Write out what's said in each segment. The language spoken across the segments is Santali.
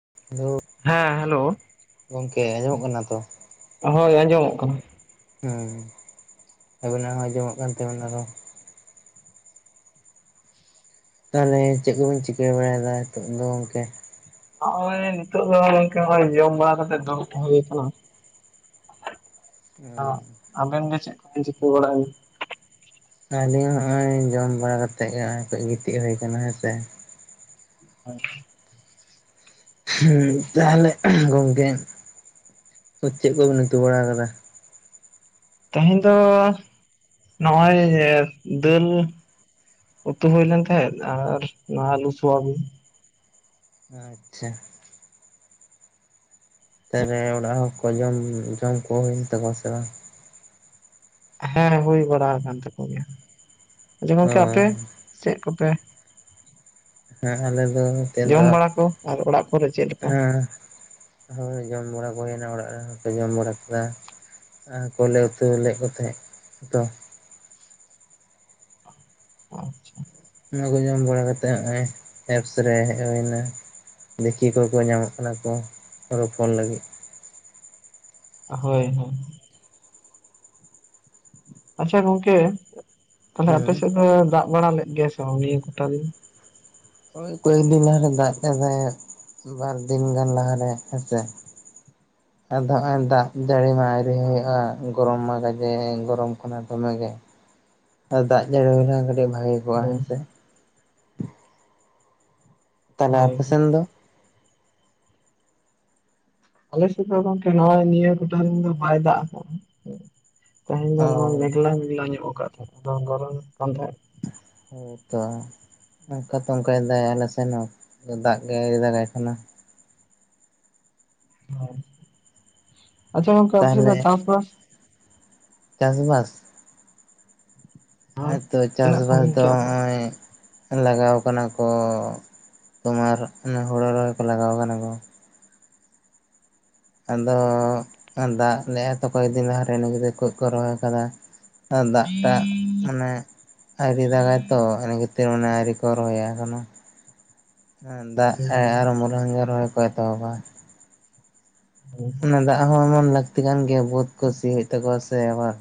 [unintelligible] ᱦᱮᱸ ᱦᱮᱞᱳ ᱜᱚᱝᱠᱮ ᱟᱸᱡᱚᱢᱚᱜ ᱠᱟᱱᱟ ᱛᱚ ᱦᱳᱭ ᱟᱡᱚᱢᱚᱜ ᱠᱟᱱᱟ᱾ ᱦᱮᱸ ᱟᱵᱮᱱᱟᱜ ᱦᱚᱸ ᱟᱸᱡᱚᱢᱚᱜ ᱠᱟᱱ ᱛᱟᱦᱮᱱᱟ ᱨᱚᱲ ᱛᱟᱦᱚᱞᱮ ᱪᱮᱫ ᱠᱚᱵᱤᱧ ᱪᱤᱠᱟᱹ ᱵᱟᱲᱟᱭᱮᱫᱟ ᱱᱤᱛᱚᱜ ᱫᱚ ᱜᱚᱝᱠᱮ᱾ ᱱᱚᱜᱼᱚᱭ ᱱᱤᱛᱚᱜ ᱫᱚ ᱜᱚᱝᱠᱮ ᱱᱚᱜᱚᱭ ᱡᱚᱢ ᱵᱟᱲᱟ ᱠᱟᱛᱮᱜ ᱫᱩᱨᱩᱠ ᱦᱩᱭ ᱠᱟᱱᱟ᱾ ᱟᱸᱜ, ᱟᱵᱮᱱ ᱫᱚ ᱪᱮᱫ ᱠᱚᱵᱤᱱ ᱪᱤᱠᱟᱹ ᱵᱟᱲᱟᱭᱫᱟ? ᱟᱹᱞᱤᱧ ᱦᱚᱸᱜᱼᱚᱭ ᱡᱚᱢ ᱵᱟᱲᱟ ᱠᱟᱛᱮᱫ ᱜᱮ ᱱᱚᱜᱚᱭ ᱠᱟᱹᱡ ᱜᱤᱛᱤᱡ ᱦᱩᱭ ᱟᱠᱟᱱᱟ ᱦᱮᱸ ᱥᱮ᱾ [unintelligible] ᱦᱩᱸ ᱛᱟᱦᱚᱞᱮ ᱜᱚᱝᱠᱮ ᱪᱮᱫ ᱠᱚᱵᱤᱱ ᱩᱛᱩ ᱵᱟᱲᱟ ᱠᱟᱫᱟ ᱛᱮᱦᱮᱧ ᱫᱚ ᱱᱚᱜ-ᱚᱭ ᱫᱟᱹᱞ ᱩᱛᱩ ᱦᱩᱭᱳ ᱞᱮᱱ ᱛᱟᱦᱮᱸᱜ ᱟᱨ ᱱᱚᱣᱟ ᱟᱹᱞᱩ ᱥᱚᱣᱟ ᱵᱤᱱ ᱟᱪᱪᱷᱟ ᱛᱮ ᱨᱮ ᱚᱲᱟᱜ ᱦᱚᱲ ᱠᱚ ᱡᱚᱢ ᱡᱚᱢ ᱠᱚ ᱦᱩᱭᱮᱱ ᱛᱟᱠᱚᱣᱟ ᱥᱮ ᱵᱟᱝ? ᱦᱮᱸ ᱦᱩᱭ ᱵᱟᱲᱟ ᱟᱠᱟᱱ ᱛᱟᱠᱚ ᱜᱮᱭᱟ ᱟᱫᱚ ᱚ ᱜᱚᱝᱠᱮ ᱟᱯᱮ ᱦᱮᱸ ᱪᱮᱫ ᱠᱚᱯᱮ ᱦᱮᱸ ᱟᱞᱮ ᱫᱚ ᱡᱚᱢ ᱫᱚ ᱵᱟᱲᱟ ᱠᱚ, ᱟᱨ ᱚᱲᱟᱜ ᱠᱚᱨᱮ ᱪᱮᱫ ᱞᱮᱠᱟ? ᱦᱮᱸ ᱦᱳᱭ ᱡᱚᱢ ᱵᱟᱲᱟ ᱠᱚ ᱦᱩᱭᱱᱟ ᱚᱲᱟᱜ ᱨᱮᱱ ᱨᱮᱦᱚᱸ ᱡᱚᱢ ᱵᱟᱲᱟ ᱠᱮᱫᱟ᱾ ᱟᱨ ᱠᱚᱞᱮ ᱩᱛᱩ ᱞᱮᱫ ᱠᱚ ᱛᱟᱦᱮᱸᱫ ᱛᱚ ᱟᱪᱪᱷᱟ᱾ ᱚᱱᱟ ᱠᱚ ᱡᱚᱢ ᱵᱟᱲᱟ ᱠᱟᱛᱮᱫ ᱦᱚᱸᱜ-ᱚᱭ ᱮᱯᱥ ᱨᱮ ᱦᱮᱡ ᱦᱩᱭ ᱮᱱᱟ ᱫᱮᱠᱤ ᱚᱠᱚᱭ ᱠᱚ ᱧᱟᱢᱚᱜ ᱠᱟᱱᱟ ᱠᱚ ᱨᱚᱯᱚᱲ ᱞᱟᱹᱜᱤᱫ᱾ ᱦᱳᱭ ᱦᱳᱭ ᱟᱪᱪᱷᱟ ᱜᱚᱝᱠᱮ ᱛᱟᱦᱞᱮ ᱟᱯᱮ ᱦᱮᱸ ᱥᱮᱫ ᱫᱚ ᱫᱟᱜ ᱵᱟᱲᱟ ᱞᱮᱫ ᱜᱮᱭᱟ ᱥᱮ ᱵᱟᱝ ᱱᱤᱭᱟᱹ ᱠᱚᱴᱟᱫᱤᱱ? ᱳᱭ ᱠᱚᱭᱮᱠᱫᱤᱱ ᱞᱟᱦ ᱨᱮ ᱫᱟᱜ ᱜᱮ ᱛᱟᱸᱦᱮᱜ ᱵᱟᱨ ᱫᱤᱱ ᱜᱟᱱ ᱞᱟᱦᱟᱨ ᱨᱮ ᱦᱮᱸ ᱥᱮᱜ ᱟᱫᱚ ᱦᱚᱸᱜᱼᱚᱭ ᱫᱟᱜ ᱡᱟᱹᱲᱤ ᱢᱟ ᱟᱨᱤ ᱦᱩᱭᱩᱜᱼᱟ᱾ ᱜᱚᱨᱚᱢ ᱢᱟ ᱜᱟᱡᱮ ᱜᱚᱨᱚᱢ ᱠᱟᱱᱟ ᱫᱚᱢᱮ ᱜᱮ ᱟᱨ ᱫᱟᱜ ᱡᱟᱹᱲᱤ ᱦᱩᱭᱱᱟ ᱠᱟᱹᱴᱤᱡ ᱵᱷᱟᱜᱤ ᱠᱚᱣᱟᱜ ᱦᱳᱭ ᱥᱮ ᱛᱟᱦᱚᱞᱮ ᱦᱳᱭ ᱟᱯᱮ ᱥᱮᱱ ᱫᱚ? ᱟᱞᱮ ᱥᱮᱫ ᱫᱚ ᱜᱚᱝᱠᱮ ᱱᱚᱜᱼᱚᱭ ᱱᱤᱭᱟᱹ ᱠᱚᱴᱟᱫᱤᱱ ᱫᱚ ᱵᱟᱭ ᱫᱟᱜ ᱠᱟᱜᱼᱟ᱾ ᱛᱮᱦᱮᱧ ᱫᱚ ᱚ ᱱᱚᱣᱟ ᱢᱮᱜᱞᱟ ᱢᱮᱜᱞᱟ ᱧᱚᱜ ᱟᱠᱟᱫ ᱛᱟᱦᱮᱸᱫ ᱟᱫᱚ ᱜᱚᱨᱚᱢ ᱦᱮᱸ ᱛᱚ ᱚᱱᱠᱟ ᱛᱚ ᱚᱱᱠᱟᱭ ᱫᱟᱭ ᱟᱞᱮ ᱥᱮᱱ ᱦᱚᱸ ᱫᱟᱜ ᱜᱮ ᱟᱣᱨᱤ ᱫᱟᱜᱟᱭ ᱠᱟᱱᱟ᱾ ᱟᱪᱪᱷᱟ ᱜᱚᱝᱠᱮ ᱟᱯᱮ ᱥᱮ ᱫᱚ ᱛᱟᱦᱞᱮ ᱪᱟᱥᱵᱟᱥ ᱪᱟᱥᱵᱟᱥ ᱦᱮᱸ ᱦᱚᱭᱛᱳ ᱛᱤᱱᱟᱹᱜ ᱪᱟᱥᱵᱟᱥ ᱥᱟᱺᱜᱤᱧ ᱫᱚ ᱠᱮᱜᱼᱟ ᱱᱚᱜ-ᱚᱭ ᱞᱟᱜᱟᱣ ᱠᱟᱱᱟ ᱠᱚ, ᱛᱳᱢᱟᱨ ᱚᱱᱟ ᱦᱳᱲᱳ ᱨᱚᱦᱚᱭ ᱠᱚ ᱞᱟᱜᱟᱣ ᱠᱟᱱᱟ ᱠᱚ᱾ ᱟᱫᱚ ᱫᱟᱜ ᱞᱮᱜ-ᱟ ᱛᱚ ᱠᱚᱭᱮᱠ ᱫᱤᱱ ᱞᱟᱦᱟᱨᱮ ᱤᱱᱟᱹ ᱠᱚ ᱨᱚᱦᱚᱭ ᱟᱠᱟᱫᱟ᱾ ᱟᱨ ᱫᱟᱜ ᱴᱟᱜ ᱢᱟᱱᱮ ᱟᱭᱨᱤ ᱫᱟᱜᱟᱭ ᱛᱚ ᱟᱹᱨᱤ ᱠᱚ ᱨᱚᱦᱚᱭᱟ ᱟᱠᱟᱱᱟ ᱫᱟᱜ ᱯᱮ ᱟᱨᱚ ᱢᱟᱝ ᱜᱮ ᱨᱚᱦᱚᱭ ᱠᱚ ᱛᱚᱵᱟ ᱚᱱᱟ ᱫᱟᱜ ᱦᱚᱸ ᱮᱢᱚᱱ ᱞᱟᱹᱠᱛᱤ ᱠᱟᱱ ᱜᱮᱭᱟ ᱵᱟᱹᱛ ᱠᱚ ᱥᱤ ᱦᱩᱭᱩᱜ ᱛᱟᱠᱚᱣᱟ ᱥᱮ ᱟᱵᱟᱨ᱾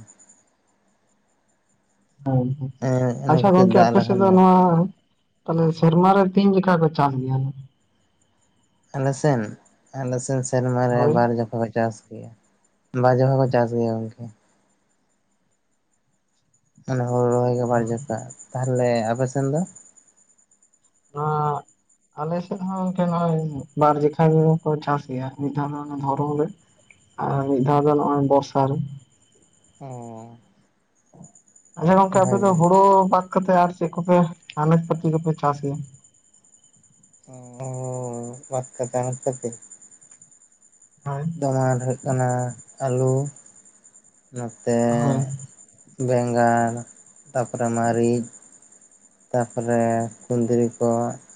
ᱦᱮᱸᱸ ᱤᱱᱟᱹ ᱟᱪᱷᱟ ᱠᱷᱟᱹᱛᱤᱨ ᱜᱚᱢᱠᱮ ᱫᱟᱜ ᱟᱯᱮ ᱥᱮᱫ ᱫᱚ ᱞᱮᱠᱷᱟᱱ ᱱᱚᱣᱟ ᱛᱟᱦᱚᱞᱮ ᱥᱮᱨᱢᱟᱨᱮ ᱛᱤᱱ ᱡᱚᱚᱠᱷᱠᱟ ᱪᱟᱥ ᱠᱚ ᱜᱮᱭᱟ ᱟᱞᱮᱥᱱ ᱟᱞᱮ ᱥᱮᱱ ᱥᱮᱨᱢᱟᱨᱮ ᱦᱳᱭ ᱵᱟᱨ ᱡᱚᱠᱷ ᱠᱚ ᱪᱟᱥ ᱜᱮᱭᱟ᱾ ᱵᱟᱡ ᱦᱚᱸ ᱠᱚ ᱪᱟᱥ ᱜᱮᱭᱟ ᱜᱚᱢᱠᱮ ᱮ ᱦᱩᱲᱩ ᱨᱚᱦᱚᱭ ᱜᱮ ᱵᱟᱨᱡᱚᱠᱟ ᱛᱟᱦᱚᱞᱮ ᱟᱯᱮ ᱥᱮᱱ ᱫᱚ [unintelligible] ᱟᱞᱮᱥᱮᱫ ᱦᱚᱸ ᱱᱚᱝᱠᱮ ᱱᱚᱜᱚᱭ ᱵᱟᱨ ᱡᱚᱠᱷᱟ ᱜᱮ ᱠᱚ ᱪᱟᱥ ᱜᱮᱭᱟ ᱢᱤᱫ ᱫᱷᱟᱣ ᱫᱚ ᱫᱷᱚᱨᱚᱢ ᱨᱮ ᱟᱨ ᱢᱤᱫ ᱫᱷᱟᱣ ᱫᱚ ᱱᱚᱜ-ᱚᱭ ᱵᱚᱨᱥᱟ ᱨᱮ ᱚ ᱟᱫᱚ ᱜᱚᱝᱠᱮ ᱟᱯᱮ ᱫᱚ ᱵᱷᱟᱜᱮ ᱦᱳᱲᱳ ᱵᱟᱫ ᱠᱟᱛᱮᱫ ᱟᱨ ᱪᱮᱫ ᱠᱚᱯᱮ ᱟᱱᱟᱡ ᱯᱟᱹᱛᱤ ᱠᱚᱯᱮ ᱪᱟᱥ ᱜᱮᱭᱟ? [inaudible] ᱠᱟᱛᱮ [inaudible] ᱦᱳᱭ ᱫᱚᱢᱮ ᱦᱩᱭᱩᱜ ᱠᱟᱱᱟ ᱟᱹᱞᱩ ᱱᱚᱛᱮ ᱦᱳᱭ ᱵᱮᱸᱜᱟᱲ ᱛᱟᱯ ᱨᱮ ᱢᱟᱹᱨᱤᱪ ᱛᱟᱯᱚᱨᱮ ᱠᱷᱫᱽᱨᱤ ᱠᱚ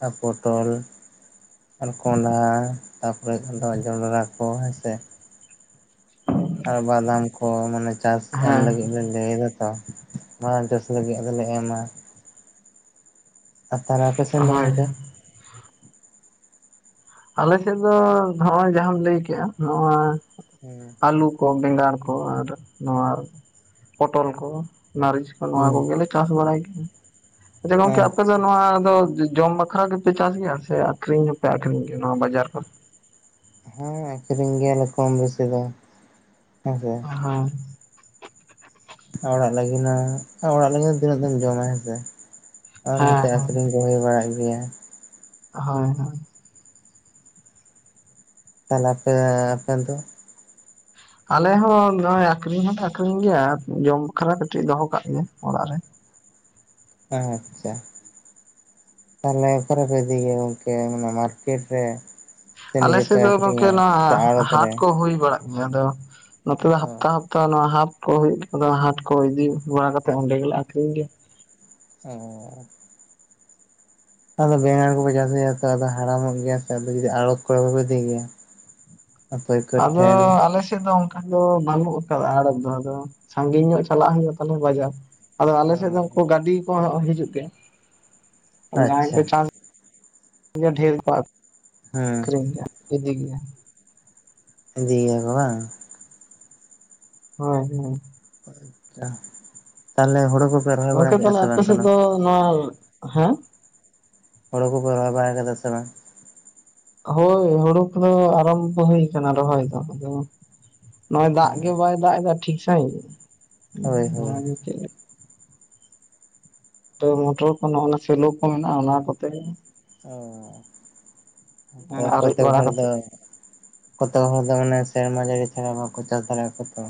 ᱟᱨ ᱯᱚᱴᱚᱞ ᱟᱨ ᱠᱚᱸᱰᱷᱟ ᱛᱟᱯᱚᱨᱮ ᱟᱫᱚ ᱡᱚᱱᱰᱨᱟ ᱠᱚ ᱦᱮᱸ ᱥᱮ ᱟᱨ ᱵᱟᱫᱟᱢ ᱠᱚ ᱢᱟᱱᱮ ᱪᱟᱥ ᱮᱢ ᱞᱟᱹᱜᱤᱫ ᱦᱮᱸ ᱵᱮᱱ ᱞᱟᱹᱭ ᱮᱫᱟ ᱛᱚ ᱢᱟ ᱪᱟᱥ ᱞᱟᱹᱜᱤᱫ ᱫᱚᱞᱮ ᱮᱢᱟ ᱟᱨ ᱛᱟᱨᱟ ᱟᱯᱮ ᱥᱮᱱ ᱫᱚ ᱦᱳᱭ ᱜᱚᱝᱠᱮ ᱟᱞᱮ ᱥᱮᱫ ᱫᱚ ᱱᱚᱜᱼᱚᱭ ᱡᱟᱦᱟᱢ ᱞᱟᱹᱭ ᱠᱮᱜᱼᱟ ᱱᱚᱜ-ᱚᱭ ᱦᱮᱸ ᱟᱹᱞᱩ ᱠᱚ ᱵᱮᱸᱜᱟᱲ ᱠᱚ ᱟᱨ ᱱᱚᱣᱟ ᱯᱚᱴᱚᱞ ᱠᱚ ᱢᱟᱹᱨᱤᱪ ᱠᱚ ᱱᱚᱣᱟ ᱦᱩᱸ ᱠᱚᱜᱮᱞᱮ ᱪᱟᱥ ᱵᱟᱲᱟᱭ ᱜᱤ ᱟᱪᱪᱷᱟ ᱜᱚᱢᱠᱮ ᱟᱯᱮ ᱫᱚ ᱱᱚᱶᱟ ᱫᱚ ᱡᱚᱢ ᱠᱷᱟᱲᱟᱝ ᱜᱮᱯᱮ ᱪᱟᱥ ᱜᱮᱭᱟ ᱥᱮ ᱟᱠᱷᱨᱤᱧ ᱦᱚᱸᱯᱮ ᱟᱠᱷᱨᱤᱧ ᱜᱮᱭᱟ ᱱᱚᱣᱟ ᱵᱟᱡᱟᱨ ᱠᱷᱚᱱ ᱦᱮᱸ ᱟᱠᱷᱨᱤᱧ ᱜᱮᱭᱟᱞᱮ ᱠᱚᱢ ᱵᱮᱥᱤ ᱫᱚ ᱦᱮᱸᱥᱮ ᱦᱮ ᱚᱲᱟᱜ ᱞᱟᱹᱜᱤᱫ ᱦᱚ ᱚᱲᱟᱜ ᱞᱟᱹᱜᱤᱫ ᱫᱚ ᱛᱤᱱᱟᱹᱜ ᱫᱚᱢ ᱡᱚᱢᱟ ᱦᱮᱸᱥᱮ ᱟᱨ ᱱᱚᱛ ᱦᱮᱸ ᱟᱠᱷᱨᱤᱧ ᱨᱚᱦᱚᱭ ᱵᱟᱲᱟᱜ ᱜᱮᱭᱟ ᱦᱳᱭ ᱦᱳᱭ ᱛᱟᱦᱚᱞᱮ ᱟᱯᱮ ᱟᱯᱮ ᱫᱚ ᱟᱞᱮ ᱦᱚ ᱱᱚᱜᱼᱚᱭ ᱟᱠᱷᱨᱤᱧ ᱦᱚᱸᱞᱮ ᱟᱠᱷᱨᱤᱧ ᱜᱮᱭᱟ ᱡᱚᱢ ᱵᱟᱠᱷᱟᱨᱟ ᱠᱟᱹᱴᱤᱡ ᱫᱚᱦᱚ ᱠᱟᱜ ᱜᱮᱭᱟ ᱚᱲᱟᱜ ᱨᱮ ᱦᱮ ᱟᱪᱪᱷᱟ ᱛᱟᱦᱚᱞᱮ ᱟᱠᱟᱨᱮᱯᱮ ᱩᱫᱤᱭ ᱜᱮᱭᱟ ᱜᱚᱝᱠᱮ ᱢᱟᱨᱠᱮᱴ ᱨᱮ ᱥᱮ ᱱᱤᱡᱮ ᱯᱮ ᱟᱞᱮᱥᱮᱫ ᱫᱚ ᱜᱚᱝᱠᱮ ᱟᱠᱷᱨᱤᱧᱟ ᱱᱚᱶᱟ ᱥᱮ ᱟᱲᱚᱛ ᱦᱟᱴ ᱨᱮ ᱠᱚ ᱦᱩᱭ ᱵᱟᱲᱟᱜ ᱜᱮᱭᱟ ᱟᱫᱚ ᱱᱚᱛᱮ ᱫᱚ ᱚ ᱦᱟᱯᱛᱟ ᱦᱟᱯ ᱛᱚ ᱱᱚᱣᱟ ᱦᱟᱴ ᱠᱚ ᱦᱩᱭᱩᱜ ᱠᱟᱱᱟ ᱦᱟᱴ ᱠᱚ ᱤᱫᱤ ᱵᱟᱲᱟ ᱠᱟᱛᱮᱫ ᱚᱸᱰᱮ ᱜᱮᱞᱮ ᱟᱠᱷᱨᱤᱧ ᱜᱮᱭᱟ ᱚ ᱟᱫᱚ ᱵᱮᱸᱜᱟᱲ ᱠᱚᱯᱮ ᱪᱟᱥ ᱜᱮᱭᱟ ᱛᱚ ᱟᱫᱚ ᱦᱟᱲᱟᱢᱚᱜ ᱜᱮᱭᱟ ᱥᱮ ᱟᱲᱚᱛ ᱠᱚᱨᱮ ᱵᱟᱠᱚ ᱤᱫᱤ ᱜᱮᱭᱟ ᱯᱟᱹᱭᱠᱟᱹᱨ ᱟᱫᱚ ᱴᱷᱮᱱ ᱟᱞᱮ ᱪᱮᱫ ᱫᱚ ᱚᱱᱠᱟ ᱫᱚ ᱵᱟᱹᱱᱩᱜ ᱟᱠᱟᱫᱟ ᱟᱲᱚᱛ ᱫᱚ ᱟᱫᱚ ᱥᱟᱺᱜᱤᱧ ᱧᱚᱜ ᱪᱟᱞᱟᱜ ᱦᱩᱭᱩᱜᱼᱟ ᱛᱟᱞᱮ ᱵᱟᱡᱟᱨ ᱟᱫᱚ ᱟᱞᱮ ᱚ ᱥᱮᱫ ᱫᱚ ᱜᱟᱹᱰᱤ ᱠᱚ ᱦᱤᱡᱩᱜ ᱜᱮᱭᱟ ᱡᱟᱦᱟᱸ ᱟᱪᱪᱷᱟ ᱠᱚ ᱪᱟᱥ ᱟᱫᱚ ᱰᱷᱮᱨ ᱦᱮᱸ ᱟᱠᱷᱨᱤᱧ ᱤᱫᱤ ᱜᱮᱭᱟ ᱤᱫᱤ ᱜᱮᱭᱟ ᱠᱚ ᱵᱟᱝ ᱦᱳᱭ ᱦᱳᱭ ᱟᱪᱪᱷᱟ ᱛᱟᱦᱞᱮ ᱦᱩᱲᱩ ᱠᱚ ᱜᱚᱝᱠᱮ ᱛᱟᱦᱞᱮ ᱟᱯᱮ ᱥᱮᱫ ᱫᱚ ᱱᱚᱶᱟ ᱦᱮᱸ ᱦᱳᱲᱳ ᱠᱚᱯᱮ ᱨᱚᱦᱚᱭ ᱵᱟᱲᱟ ᱟᱠᱟᱫᱟ ᱥᱮ ᱵᱟᱝ? ᱦᱳᱭ ᱦᱩᱲᱳ ᱠᱚᱫᱚ ᱟᱨᱟᱢᱵᱷᱚ ᱦᱩᱭ ᱟᱠᱟᱱᱟ ᱨᱚᱦᱚᱭ ᱫᱚ ᱟᱫᱚ ᱱᱚᱜᱼᱚᱭ ᱫᱟᱜ ᱜᱮ ᱵᱟᱭ ᱫᱟᱜ ᱮᱫᱟ ᱴᱷᱤᱠ ᱥᱟᱺᱦᱤᱡ ᱦᱳᱭ ᱦᱳᱭ ᱚᱱᱟᱜ ᱪᱮᱫ ᱢᱚᱴᱚᱨ ᱠᱚ ᱱᱚᱜ ᱥᱮᱞᱳ ᱠᱚ ᱢᱮᱱᱟᱜᱼᱟ ᱚᱱᱟ ᱠᱚᱛᱮ ᱚ ᱟᱨᱮᱡ ᱛᱚᱠᱚᱛᱮᱵ ᱵᱟᱲᱟ ᱦᱚᱲ ᱫᱚ ᱠᱟᱛᱮᱫ ᱠᱚᱛ ᱦᱚᱲ ᱫᱚ ᱢᱟᱱᱮ ᱥᱮᱨᱢᱟ ᱡᱟᱹᱲᱤ ᱪᱷᱟᱲᱟ ᱵᱟᱠᱚ ᱪᱟᱥ ᱫᱟᱲᱮᱭᱟᱜ-ᱟ ᱠᱚᱛᱚ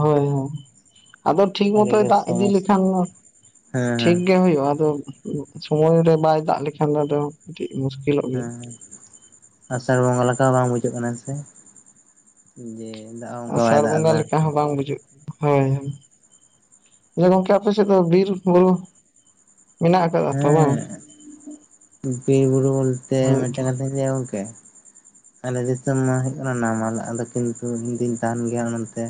ᱦᱳᱭ ᱦᱳᱭ ᱟᱫᱚ ᱴᱷᱤᱠ ᱟᱹᱰᱤ ᱢᱚᱛᱚᱭ ᱜᱮ ᱫᱟᱜ ᱤᱫᱤ ᱥᱚᱢᱚᱥᱥᱟ ᱞᱮᱠᱷᱟᱱ ᱦᱮᱸ ᱴᱷᱤᱠ ᱦᱮᱸ ᱜᱮ ᱦᱩᱭᱩᱜᱼᱟ ᱟᱫᱚ ᱥᱚᱢᱚᱭ ᱨᱮ ᱵᱟᱭ ᱫᱟᱜ ᱞᱮᱠᱷᱟᱱ ᱫᱚ ᱟᱫᱚ ᱠᱟᱹᱴᱤᱡ ᱢᱩᱥᱠᱤᱞ ᱦᱮᱸ ᱟᱥᱟᱲ ᱵᱚᱸᱜᱟ ᱞᱮᱠᱟ ᱵᱟᱝ ᱵᱩᱡᱷᱟᱹᱜ ᱠᱟᱱᱟ ᱥᱮ ᱡᱮ ᱫᱟᱜ ᱦᱚᱸ ᱚᱱᱠᱟ ᱵᱟᱭ ᱫᱟᱜ ᱮᱫᱟ ᱪᱮᱫ ᱦᱚᱸ ᱵᱟᱝ ᱵᱩᱡᱷᱟᱹᱜ ᱦᱳᱭ ᱮ ᱜᱚᱢᱠᱮ ᱟᱯᱮ ᱥᱮ ᱫᱚ ᱵᱤᱨ ᱵᱩᱨᱩ ᱢᱮᱱᱟᱜ ᱟᱠᱟᱫᱟ ᱛᱚ ᱵᱟᱝ ᱦᱮᱸ ᱵᱤᱨ ᱵᱩᱨᱩ ᱵᱚᱞᱛᱮ ᱦᱳᱭ ᱢᱤᱫᱴᱮᱱ ᱛᱚ ᱠᱟᱛᱷᱟᱹᱧ ᱞᱟᱹᱭᱟ ᱜᱚᱝᱠᱮ ᱟᱞᱮ ᱫᱤᱥᱚᱢ ᱢᱟ ᱦᱩᱭᱩᱜ ᱠᱟᱱᱟ ᱱᱟᱢᱟᱞ ᱫᱚ ᱠᱤᱱᱛᱩ ᱤᱧᱫᱩᱧ ᱛᱟᱦᱮᱱ ᱜᱮᱭᱟ ᱚᱱᱟᱛᱮ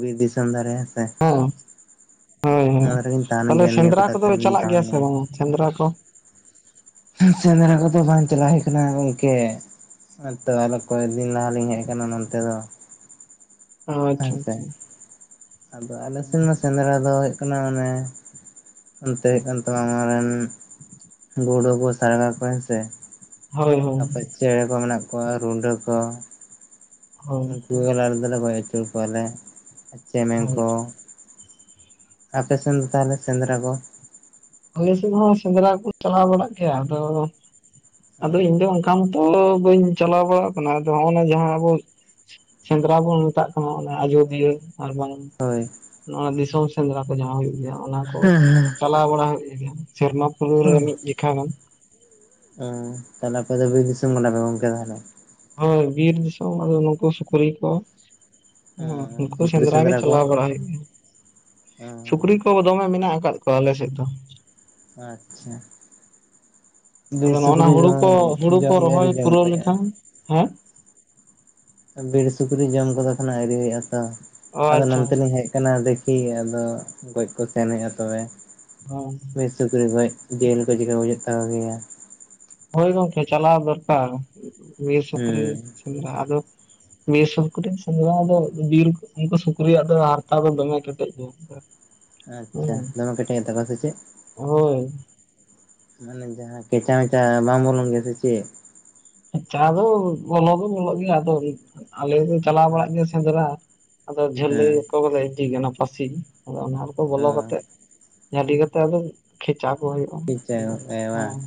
ᱵᱤᱨ ᱫᱤᱥᱚᱢ ᱫᱷᱟᱨᱮ ᱦᱮᱸ ᱥᱮ ᱦᱮᱸ ᱦᱚᱭ ᱦᱚᱭ ᱜᱤᱧ ᱛᱟᱦᱮᱱ ᱛᱟᱦᱚᱞᱮ ᱜᱮᱭᱟ ᱱᱤᱭᱟᱹ ᱥᱮᱸᱫᱽᱨᱟ ᱠᱚᱴᱟ ᱠᱚᱫᱚ ᱫᱤᱱ ᱞᱮ ᱫᱩᱧ ᱪᱟᱞᱟᱜ ᱛᱟᱦᱮᱱ ᱜᱮᱭᱟ ᱥᱮ ᱵᱟᱝ ᱟ ᱥᱮᱸᱫᱽᱨᱟ ᱠᱚ ᱥᱮᱸᱫᱽᱨᱟ ᱠᱚᱫᱚ ᱵᱟᱝ ᱪᱟᱞᱟᱣ ᱦᱩᱭ ᱠᱟᱱᱟ ᱜᱚᱝᱠᱮ ᱦᱮᱸ ᱛᱚ ᱟᱫᱚ ᱠᱚᱭ [unintelligible] ᱫᱤᱱ ᱞᱟᱦᱟ ᱞᱤᱧ ᱦᱮᱡ ᱠᱟᱱᱟ ᱱᱚᱱᱛᱮ ᱫᱚ ᱦᱮᱸ ᱟᱪᱪᱷᱟ ᱥᱮ ᱟᱪᱪᱷᱟ ᱟᱫᱚ ᱟᱞᱮ ᱥᱮᱱ ᱢᱟ ᱥᱮᱸᱫᱽᱨᱟ ᱫᱚ ᱦᱩᱭᱩᱜ ᱠᱟᱱᱟ ᱚᱱᱮ [unintelligible] ᱚᱱᱛᱮ ᱦᱩᱭᱩᱜ ᱠᱟᱱ ᱛᱟᱢᱟ ᱟᱢ ᱨᱮᱱ ᱜᱩᱰᱩ ᱠᱚ ᱥᱟᱨᱜᱟ ᱠᱚ ᱦᱮᱸ ᱥᱮ ᱦᱳᱭ ᱦᱳᱭ ᱟᱯᱮ ᱪᱮᱬᱮ ᱠᱚ ᱢᱮᱱᱟᱜ ᱠᱚᱣᱟ ᱨᱩᱸᱰᱟᱹ ᱠᱚ ᱦᱳᱭ ᱱᱩᱠᱩ ᱜᱮᱞᱮ ᱟᱞᱮ ᱫᱚᱞᱮ ᱜᱚᱡ ᱟᱹᱪᱩᱨ ᱠᱚᱣᱟ ᱞᱮ ᱪᱮᱢᱮᱝ ᱦᱳᱭ ᱠᱚ ᱟᱯᱮ ᱥᱮᱱ ᱫᱚ ᱛᱟᱦᱚᱞᱮ ᱥᱮᱸᱫᱽᱨᱟ ᱠᱚ ᱟᱞᱮ ᱥᱮᱫ ᱦᱚᱸ ᱥᱮᱸᱫᱽᱨᱟ ᱠᱚ ᱪᱟᱞᱟᱣ ᱵᱟᱲᱟᱜ ᱜᱮᱭᱟ ᱟᱫᱚ ᱟᱫᱚ ᱤᱧ ᱫᱚ ᱚᱱ [unintelligible] ᱟᱢ ᱛᱚ ᱵᱟᱹᱧ ᱪᱟᱞᱟᱣ ᱵᱟᱲᱟᱜ ᱠᱟᱱᱟ ᱟᱫᱚ ᱦᱚᱸᱜ ᱱᱚᱣᱟ ᱡᱟᱦᱟᱸ ᱟᱵᱚ ᱥᱮᱸᱫᱽᱨᱟ ᱵᱚᱱ ᱢᱮᱛᱟᱜ ᱠᱟᱱᱟ ᱚᱱᱟ ᱟᱡᱚᱫᱤᱭᱟᱹ ᱟᱨ ᱵᱟᱝ ᱦᱳᱭ [unintelligible] ᱱᱚᱣᱟ ᱫᱤᱥᱚᱢ ᱥᱮᱸᱫᱽᱨᱟ ᱠᱚ ᱡᱟᱸᱦᱟ ᱦᱩᱭᱩᱜ ᱜᱮᱭᱟ ᱚᱱᱟ ᱠᱚ ᱪᱟᱞᱟᱣ ᱵᱟᱲᱟ ᱦᱩᱭᱩᱜ ᱜᱮᱭᱟ ᱥᱮᱨᱢᱟ ᱯᱩᱨᱟᱹᱣ ᱨᱮ ᱢᱤᱫ ᱡᱮᱠᱷᱟ ᱜᱟᱱ ᱦᱮᱸ ᱛᱟᱦᱚᱞᱮ ᱟᱯᱮ ᱫᱚ ᱵᱤᱨ ᱫᱤᱥᱚᱢ ᱠᱟᱱᱟ ᱯᱮ ᱜᱚᱝᱠᱮ ᱛᱟᱦᱚᱞᱮ ᱦᱳᱭ ᱵᱤᱨ ᱫᱤᱥᱚᱢ ᱟᱫᱚ ᱱᱩᱠᱩ ᱥᱩᱠᱨᱤ ᱠᱚ ᱦᱩᱸ ᱩᱱᱠᱩ ᱥᱩᱠᱨᱤ ᱥᱮᱸᱫᱽᱨᱟ ᱜᱮ ᱠᱚ ᱪᱟᱞᱟᱣ ᱵᱟᱲᱟ ᱦᱩᱭᱩᱜᱼᱟ ᱚ ᱥᱩᱠᱨᱤ ᱠᱚ ᱫᱚᱢᱮ ᱢᱮᱱᱟᱜ ᱠᱟᱫ ᱠᱚᱣᱟ ᱟᱞᱮ ᱥᱮᱫ ᱫᱚ ᱟᱪᱪᱷᱟ ᱵᱤᱨ ᱟᱫᱚ ᱱᱚᱜ ᱥᱩᱠᱨᱤ ᱱᱚᱣᱟ ᱦᱩᱲᱩ ᱫᱚ ᱠᱚ ᱦᱩᱲᱩ ᱡᱚᱢ ᱜᱮ ᱠᱚ ᱟᱹᱣᱨᱤ ᱨᱚᱦᱚᱭ ᱡᱚᱢ ᱯᱩᱨᱟᱹᱣ ᱠᱚᱜᱼᱟ ᱞᱮᱠᱷᱟᱱ ᱦᱮᱸ ᱵᱤᱨ ᱥᱩᱠᱨᱤ ᱡᱚᱢ ᱠᱚᱫᱚ ᱠᱷᱟᱱ ᱟᱹᱣᱨᱤ ᱦᱩᱭᱩᱜ ᱟᱛᱚ ᱚ ᱟᱫᱚ ᱟᱪᱪᱷᱟ ᱱᱚᱱᱛᱮ ᱞᱤᱧ ᱦᱮᱜ [unintelligible] [unintelligible] ᱠᱟᱱᱟ ᱫᱮᱠᱷᱤ ᱟᱫᱚ ᱜᱚᱡ ᱠᱚ ᱥᱮᱱ ᱦᱩᱭᱩᱜᱼᱟ ᱛᱚᱵᱮ [unintelligible] ᱢᱤᱫ ᱥᱩᱠᱨᱤ ᱜᱚᱡ ᱡᱤᱞ ᱠᱚ ᱪᱮᱠᱟ ᱦᱩᱭᱩᱜᱜ ᱛᱟᱠᱚ ᱜᱮᱭᱟ ᱦᱳᱭ ᱜᱚᱝᱠᱮ ᱪᱟᱞᱟᱣ ᱫᱚᱨᱠᱟᱨ ᱵᱤᱨ ᱥᱩᱠᱨᱤ ᱦᱩᱸ ᱥᱮᱸᱫᱽᱨᱟ ᱟᱫᱚ ᱵᱤᱨ ᱥᱩᱠᱨᱤ ᱥᱮᱸᱫᱽᱨᱟ ᱫᱚ ᱵᱤᱨ ᱩᱱᱠᱩ ᱥᱩᱠᱨᱤᱭᱟᱜ ᱫᱚ ᱦᱟᱨᱛᱟ ᱫᱚ ᱫᱚᱢᱮ ᱠᱮᱴᱮᱡᱽ ᱜᱮᱭᱟ [inaudible] ᱟᱪᱪᱷᱟ ᱦᱩᱸ ᱫᱚᱢᱮ ᱠᱮᱴᱮᱡ ᱮᱱ ᱛᱟᱠᱚᱣᱟ ᱥᱮ ᱪᱮᱫ ᱦᱳᱭ ᱢᱟᱱᱮ ᱡᱟᱦᱟᱸ ᱠᱷᱮᱪᱟ ᱢᱮᱪᱟ ᱵᱟᱝ ᱵᱚᱞᱚᱱ ᱜᱮᱭᱟ ᱥᱮ ᱪᱮᱜ ᱠᱷᱮᱪᱟ ᱫᱚ ᱵᱚᱞᱚ ᱫᱚ ᱵᱚᱞᱚᱜ ᱜᱮᱭᱟ ᱟᱫᱚ ᱟᱞᱮ [unintelligible] ᱪᱟᱞᱟᱣ ᱵᱟᱲᱟᱜ ᱦᱮᱸ ᱜᱮᱭᱟ ᱥᱮᱸᱫᱽᱨᱟ ᱟᱫᱚ ᱡᱷᱟᱹᱞᱤ ᱦᱮᱸ ᱠᱚᱫᱚᱞᱮ ᱤᱫᱤ ᱜᱮᱭᱟ ᱚᱱᱟ ᱯᱟᱹᱥᱤ ᱟᱫᱚ ᱚᱱᱟ [unintelligible] ᱵᱚᱞᱚ ᱚ ᱠᱟᱛᱮᱜ ᱡᱷᱟᱞᱤ ᱠᱟᱛᱮ ᱟᱫᱚ ᱠᱷᱮᱪᱟ ᱠᱚ ᱦᱩᱭᱩᱜᱼᱟ ᱠᱮᱪᱟ ᱜᱚᱫ ᱠᱟᱭᱟ ᱵᱟᱝ ᱦᱮᱸ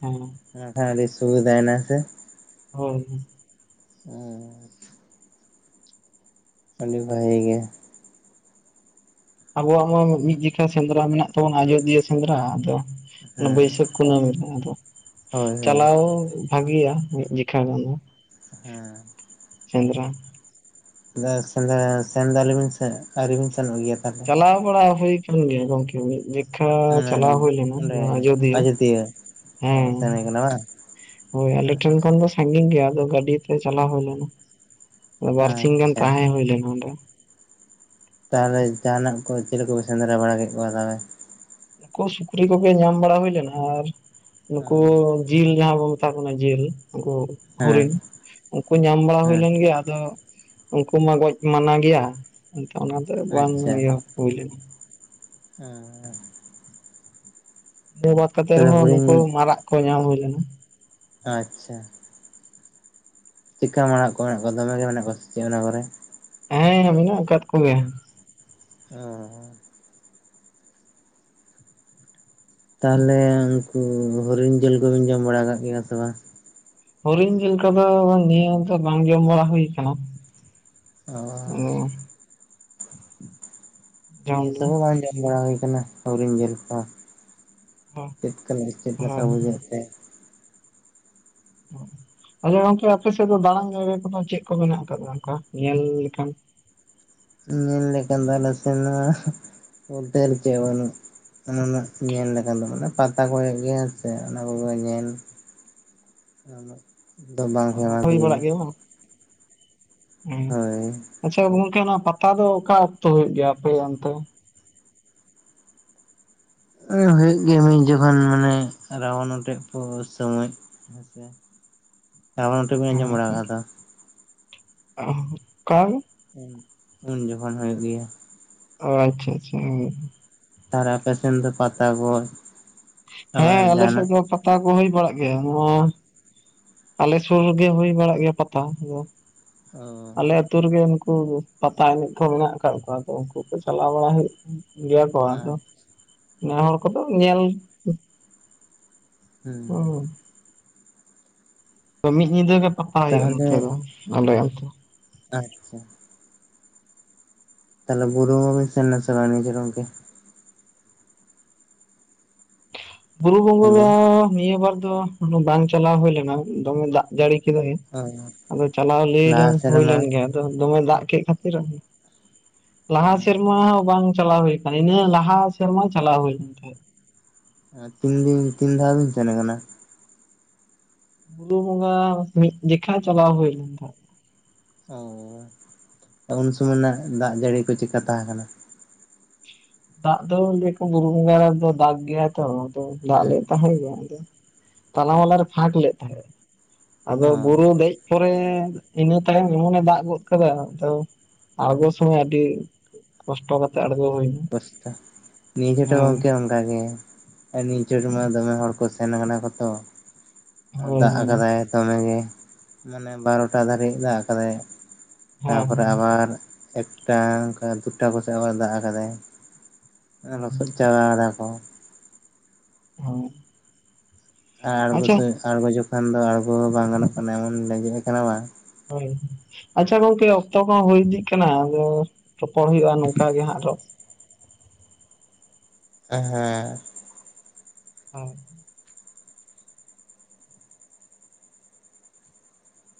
ᱦᱮᱸ ᱮᱱᱠᱷᱟᱱ ᱥᱩᱵᱤᱫᱷᱟ ᱱᱟ ᱥᱮ ᱦᱳᱭ [unintelligible] ᱩᱸ ᱟᱹᱰᱤ ᱵᱷᱟᱜᱮ ᱜᱮ ᱟᱵᱚᱣᱟᱜ ᱢᱟ ᱢᱤᱫ ᱡᱮᱠᱷᱟ ᱥᱮᱸᱫᱽᱨᱟ ᱢᱮᱱᱟᱜ ᱛᱟᱵᱚᱱᱟ ᱟᱡᱚᱫᱤᱭᱟᱹ ᱥᱮᱸᱫᱽᱨᱟ ᱟᱫᱚ [unintelligible] ᱦᱮᱸ ᱵᱟᱹᱭᱥᱟᱹᱠ ᱠᱩᱱᱟᱹᱢᱤ ᱨᱮ ᱟᱫᱚ ᱦᱳᱭ ᱦᱳᱭ ᱪᱟᱞᱟᱣ [unintelligible] ᱵᱷᱟᱜᱤᱭᱟ ᱢᱤᱫ ᱡᱮᱠᱷᱟ ᱜᱟᱱ ᱫᱚ ᱦᱮᱸ ᱥᱮᱸᱫᱽᱨᱟ ᱥᱮᱸᱫᱽᱨᱟ ᱥᱮᱱ ᱫᱚ [inaudible] ᱟᱣᱨᱤ ᱵᱤᱱ ᱥᱮᱱᱚᱜ ᱜᱮᱭᱟ ᱛᱟᱦᱚᱞᱮ? ᱪᱟᱞᱟᱣ ᱵᱟᱲᱟ ᱦᱩᱭ ᱠᱟᱱ ᱜᱮᱭᱟ ᱜᱚᱝᱠᱮ ᱢᱤᱫᱼᱫᱤ [unintelligible] [unintelligible] ᱟᱪᱪᱷᱟ ᱢᱟᱱᱮ ᱪᱟᱞᱟᱣ ᱦᱩᱭ ᱞᱮᱱᱟ ᱚᱸᱰᱮ ᱱᱚᱣᱟ ᱟᱡᱚᱫᱤᱭᱟᱹ ᱚ ᱦᱮᱸ ᱥᱮᱱ ᱦᱩᱭ ᱠᱟᱱᱟ ᱵᱟᱝ? ᱦᱳᱭ ᱟᱞᱮ ᱴᱷᱮᱱ ᱠᱷᱚᱱ ᱫᱚ ᱥᱟᱺᱜᱤᱧ ᱜᱮᱭᱟ ᱟᱫᱚ ᱜᱟᱹᱰᱤ ᱛᱮ ᱪᱟᱞᱟᱣ ᱦᱩᱭ ᱞᱮᱱᱟ ᱵᱟᱹᱨᱥᱤᱧ ᱜᱟᱱ ᱟᱪᱪᱷᱟ ᱛᱟᱦᱮᱸ ᱦᱩᱭ ᱞᱮᱱᱟ ᱚᱸᱰᱮ [unintelligible] ᱛᱟᱦᱞᱮ ᱡᱟᱸᱦᱟᱱᱟᱜ ᱠᱚ ᱪᱤᱞᱤ ᱠᱚ ᱵᱤᱱ ᱥᱮᱸᱫᱽᱨᱟ ᱵᱟᱲᱟ ᱠᱮᱫ ᱠᱚᱣᱟ ᱛᱟᱦᱞᱮ ᱱᱩᱠᱩ ᱥᱩᱠᱨᱤ ᱠᱚᱜᱮ ᱧᱟᱢ ᱵᱟᱲᱟ ᱦᱩᱭ ᱞᱮᱱᱟ ᱟᱨ ᱱᱩᱠᱩ ᱡᱤᱞ ᱡᱟᱦᱟᱸ ᱵᱚᱱ ᱢᱮᱛᱟ ᱠᱚ ᱠᱟᱱᱟ ᱡᱤᱞ ᱩᱱᱠᱩ ᱦᱮᱸ ᱦᱚᱨᱤᱱ ᱩᱱᱠᱩ ᱧᱟᱢ ᱵᱟᱲᱟ ᱦᱩᱭ ᱦᱮᱸ ᱞᱮᱱ ᱜᱮᱭᱟ ᱟᱫᱚ ᱩᱱᱠᱩ ᱢᱟ ᱜᱚᱡ ᱢᱟᱱᱟ ᱜᱮᱭᱟ ᱮᱱᱛᱮ ᱚᱱᱟ ᱫᱚ ᱵᱟᱝ ᱤᱭᱟᱹ ᱦᱩᱭ ᱞᱮᱱᱟ ᱦᱟᱸ ᱫᱚ ᱵᱟᱜ ᱠᱟᱛᱮ ᱛᱟᱦᱚᱞᱮ ᱨᱮᱦᱚᱸ ᱱᱩᱠᱩ ᱦᱩᱰᱤᱧ ᱢᱟᱨᱟᱜ ᱠᱚ ᱧᱟᱢ ᱦᱩᱭ ᱞᱮᱱᱟ᱾ ᱟᱪᱷᱟ ᱪᱤᱠᱟᱹ ᱢᱮᱱᱟᱜ ᱠᱚᱣᱟ ᱫᱚᱢᱮ ᱢᱮᱱᱟᱜ ᱠᱚᱣᱟ ᱥᱮ ᱪᱮᱫ ᱚᱱᱟ ᱠᱚᱨᱮ? ᱦᱮᱸ ᱢᱮᱱᱟᱜ ᱟᱠᱟᱫ ᱠᱚᱜᱮᱭᱟ᱾ ᱚᱸ ᱛᱟᱦᱚᱞᱮ ᱩᱱᱠᱩ ᱦᱚᱨᱤᱱ ᱡᱤᱞ ᱠᱚᱵᱤᱱ ᱡᱚᱢ ᱵᱟᱲᱟ ᱟᱠᱟᱫ ᱜᱮᱭᱟ ᱥᱮ ᱵᱟᱝ? ᱦᱚᱨᱤᱱ ᱡᱮᱞ ᱠᱚᱫᱚ ᱱᱤᱭᱟᱹ ᱵᱟᱝ ᱡᱚᱢ ᱵᱟᱲᱟ ᱦᱩᱭᱩ ᱟᱠᱟᱱᱟ ᱚᱨᱻ ᱟᱫᱚ ᱡᱚᱢ ᱫᱚ ᱱᱤᱛᱚᱜ ᱦᱚᱸ ᱵᱟᱝ ᱡᱚᱢ ᱵᱟᱲᱟ ᱦᱚᱭ ᱟᱠᱟᱱᱟ ᱟᱶᱨᱤᱧ ᱡᱮᱢᱟ ᱦᱳᱭ [unintelligible] ᱪᱮᱫ ᱞᱮᱠᱟ ᱵᱩᱡᱷᱟ. ᱜ ᱛᱮ? ᱟᱪᱷᱟ ᱜᱚᱝᱠᱮ ᱟᱯᱮ ᱥᱮᱫ ᱫᱚ ᱫᱟᱬᱟᱱ ᱡᱟᱭᱜᱟ ᱠᱚᱫᱚ ᱪᱮᱫ ᱠᱚ ᱢᱮᱱᱟᱜ ᱟᱠᱟᱫᱟ ᱚᱱᱠᱟ ᱧᱮᱞ ᱞᱮᱠᱷᱟᱱ? ᱧᱮᱞ ᱞᱮᱠᱟᱱᱟᱜ ᱟᱞᱮᱥᱮᱫ ᱢᱟ ᱫᱚᱨ ᱜᱮ ᱵᱟᱱᱩᱜᱼᱟ᱾ ᱚᱱᱟ ᱨᱮᱱᱟᱜ ᱧᱮᱞ ᱞᱮᱠᱟ ᱫᱚ ᱵᱟᱝ ᱯᱟᱛᱟ ᱠᱚ ᱨᱮ ᱜᱮ ᱦᱮᱸ ᱥᱮ ᱚᱱᱟ ᱠᱚᱜᱮ ᱧᱮᱞ ᱦᱩᱭ [unintelligible] ᱵᱟᱲᱟᱜ ᱜᱮᱭᱟ ᱵᱟᱝ ᱦᱳᱭ ᱟᱪᱷᱟ ᱜᱚᱝᱠᱮ ᱚᱱᱟ ᱯᱟᱛᱟ ᱫᱚ ᱚᱠᱟ ᱚᱠᱛᱚ ᱦᱩᱭᱩᱜ ᱜᱮᱭᱟ ᱟᱯᱮ ᱚᱱᱛᱮ? ᱦᱩᱭᱩᱜ ᱜᱮᱭᱟ ᱢᱤᱫ ᱡᱚᱠᱷᱚᱱ ᱢᱟᱱᱮ ᱨᱟᱵᱟᱱ ᱚᱴᱮᱡ ᱠᱚ ᱥᱚᱢᱚᱭ [unintelligible] ᱨᱟᱵᱚᱱ ᱚᱴᱮᱡ ᱵᱤᱱ ᱟᱡᱚᱢ ᱵᱟᱨᱟ ᱟᱠᱟᱫᱟ? [unintelligible] ᱚᱱᱠᱟ ᱜᱮ ᱩᱱ ᱡᱚᱠᱷᱚᱱ ᱦᱩᱭᱩᱜ ᱜᱮᱭᱟ ᱚ ᱟᱪᱷᱟ ᱟᱪᱷᱟ ᱟᱨ ᱟᱯᱮ ᱥᱮᱱ ᱫᱚ ᱯᱟᱛᱟ ᱜᱚᱡ ᱦᱮᱸ ᱟᱞᱮᱥᱮᱫ ᱫᱚ ᱯᱟᱛᱟ ᱠᱚ ᱦᱩᱭ ᱵᱟᱲᱟᱜ ᱜᱮᱭᱟ ᱱᱚᱜ ᱚᱸᱭ᱾ ᱟᱞᱮ ᱥᱩᱨ ᱨᱮᱜᱮ ᱦᱩᱭ ᱵᱟᱲᱟᱜ ᱜᱮᱭᱟ ᱯᱟᱛᱟ ᱫᱚ ᱚ ᱟᱛᱩ ᱨᱮ ᱜᱮ ᱱᱩᱠᱩ ᱯᱟᱛᱟ ᱮᱱᱮᱡ ᱠᱚ ᱢᱮᱱᱟᱜ ᱟᱠᱟᱫ ᱠᱚᱣᱟ ᱟ ᱩᱱᱠᱩ ᱠᱚ ᱪᱟᱞᱟᱣ ᱵᱟᱲᱟ ᱦᱩᱭᱩᱜ ᱜᱮᱭᱟ ᱠᱚ ᱟᱫᱚ ᱱᱮ ᱦᱚᱲ ᱠᱚᱫᱚ ᱧᱮᱞ ᱦᱮᱸ ᱛᱚ ᱢᱤᱫ ᱧᱤᱫᱟᱹ ᱜᱮ ᱯᱟᱛᱟ ᱦᱩᱭᱩᱜᱼᱟ ᱱᱚᱛᱮ ᱫᱚ ᱟᱞᱮ ᱚᱱᱛᱮ ᱟᱪᱷᱟ ᱛᱟᱦᱚᱞᱮ ᱵᱩᱨᱩ ᱦᱚᱸᱵᱤ ᱥᱮᱱ ᱞᱮᱱᱟ ᱱᱤᱭᱟ. ᱡᱷᱤᱠᱟ. ᱜᱚᱢᱠᱮ ᱵᱩᱨᱩ ᱵᱚᱸᱜᱚ ᱦᱮᱞᱳ ᱫᱚ ᱱᱤᱭᱟᱹ ᱵᱟᱨ ᱫᱚ ᱵᱟᱝ ᱪᱟᱞᱟᱣ ᱦᱩᱭ ᱞᱮᱱᱟ ᱫᱚᱢᱮ ᱫᱟᱜ ᱡᱟᱹᱲᱤ ᱠᱮᱫᱟᱭ ᱟᱫᱚ ᱪᱟᱞᱟᱣ ᱞᱟᱹᱭ ᱞᱮ ᱞᱟᱦᱟ ᱦᱩᱭ ᱥᱮᱨᱢᱟ ᱞᱮᱱ ᱜᱮᱭᱟ ᱟᱫᱚ ᱫᱚᱢᱮ ᱫᱟᱜ ᱠᱮᱫ ᱠᱷᱟᱹᱛᱤᱨ ᱞᱟᱦᱟ ᱥᱮᱨᱢᱟ ᱦᱚᱸ ᱵᱟᱝ ᱪᱟᱞᱟᱣ ᱦᱩᱭ ᱟᱠᱟᱱᱟ ᱤᱱᱟᱹ ᱞᱟᱦᱟ ᱥᱮᱨᱢᱟ ᱪᱟᱞᱟᱣ ᱦᱩᱭ ᱞᱮᱱ ᱛᱟᱦᱮᱸᱫ ᱛᱤᱱ ᱫᱤᱱ ᱛᱤᱱ ᱫᱷᱟᱣ ᱵᱤᱱ ᱥᱮᱱ ᱟᱠᱟᱱᱟ? ᱵᱩᱨᱩ ᱵᱚᱸᱜᱟ ᱢᱤᱫ ᱡᱮᱠᱷᱟ ᱪᱟᱞᱟᱣ ᱦᱩᱭ ᱞᱮ ᱛᱟᱦᱮᱸᱫ ᱚ ᱩᱱ ᱥᱚᱢᱚᱭ ᱨᱮᱱᱟᱜ ᱫᱟᱜ ᱡᱟᱹᱲᱤ ᱠᱚ ᱪᱮᱜᱠᱟ ᱛᱟᱦᱮᱸ ᱠᱟᱱᱟ ᱫᱟᱜ ᱫᱚ ᱞᱟᱹᱭ ᱟᱠᱚ ᱵᱩᱨᱩ ᱵᱚᱸᱜᱟ ᱨᱮᱫᱚ ᱫᱟᱜ ᱜᱮᱭᱟ ᱛᱚ ᱟᱫᱚ ᱫᱟᱜ ᱦᱮᱸ ᱞᱮ ᱛᱟᱦᱮᱸ ᱜᱮ ᱟᱫᱚ ᱛᱟᱞᱟ ᱢᱟᱞᱟᱨᱮ ᱯᱷᱟᱸᱠ ᱞᱮᱫ ᱛᱟᱦᱮᱸᱫ, ᱟᱫᱚ ᱚ ᱵᱩᱨᱩ ᱫᱮᱡ ᱯᱚᱨᱮ ᱤᱱᱟᱹ ᱛᱟᱭᱚᱢ ᱮᱢᱚᱱ ᱮ ᱫᱟᱜ ᱜᱚᱫ ᱠᱟᱫᱟ ᱛᱚ ᱦᱮᱸ ᱟᱬᱜᱚ ᱥᱚᱢᱚᱭ ᱟᱹᱰᱤ ᱠᱚᱥᱴᱚ ᱠᱟᱛᱮ ᱟᱬᱜᱚ ᱦᱩᱭ ᱮᱱᱟ ᱱᱤᱭᱟᱹ ᱠᱚᱴᱟ ᱜᱚᱢᱠᱮ ᱚᱱᱠᱟᱜᱮ ᱧᱤᱫᱟ ᱥᱚᱢᱚᱭ ᱫᱚᱢᱮ ᱦᱚᱲ ᱠᱚ ᱥᱮᱱ ᱠᱟᱱᱟ ᱠᱚ ᱛᱚ ᱟ ᱦᱳᱭ ᱫᱟᱜ ᱟᱠᱟᱫᱟᱭ ᱫᱚᱢᱮᱜᱮ ᱢᱟᱱᱮ ᱵᱟᱨᱚᱴᱟ ᱫᱷᱟᱹᱨᱤᱡ ᱫᱟᱜ ᱠᱟᱫᱟᱭ᱾ ᱦᱮᱸ ᱛᱟᱯᱚᱨᱮ ᱟᱵᱟᱨ ᱮᱠᱴᱟ ᱚᱱᱠᱟ ᱫᱩᱴᱟ ᱠᱚᱥᱮᱡ ᱟᱵᱟᱨ ᱫᱟᱜ ᱠᱟᱫᱟᱭ᱾ ᱞᱚᱥᱚᱫ ᱪᱟᱵᱟ ᱟᱠᱟᱫᱟ ᱠᱚ [unintelligible] ᱟᱨ ᱟᱬᱜᱚ ᱟᱪᱪᱷᱟ ᱟᱬᱜᱚ ᱡᱚᱠᱷᱟᱱ ᱫᱚ ᱟᱬᱜᱚ ᱦᱚᱸ ᱵᱟᱝ ᱜᱟᱱᱚᱜ ᱠᱟᱱᱟ ᱮᱢᱚᱱ ᱞᱮᱸᱡᱮᱫ ᱠᱟᱱᱟ ᱵᱟᱝ ᱦᱳᱭ ᱟᱪᱪᱷᱟ ᱜᱚᱝᱠᱮ ᱚᱠᱛᱚ ᱠᱚᱦᱚᱸ ᱦᱳᱭ ᱤᱫᱤᱜ ᱠᱟᱱᱟ ᱟᱫᱚ ᱨᱚᱯᱚᱲ ᱦᱩᱭᱩᱜᱼᱟ ᱱᱚᱝᱠᱟ ᱜᱮ ᱦᱟᱸᱜ ᱟᱨᱚ ᱦᱮᱸ [unintelligible]